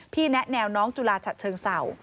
แนะแนวน้องจุฬาฉะเชิงเศร้า